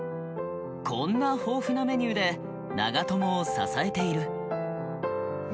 こんな豊富なメニューで長友を支えている。